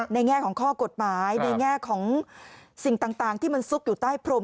แง่ของข้อกฎหมายในแง่ของสิ่งต่างที่มันซุกอยู่ใต้พรม